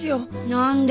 何で？